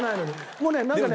もうねなんかね。